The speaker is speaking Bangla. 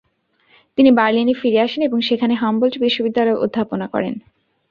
তিনি বার্লিনে ফিরে আসেন এবং সেখানে হুম্বোল্ট বিশ্ববিদ্যালয়ে অধ্যাপনা করেন।